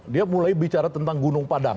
dia mulai bicara tentang gunung padang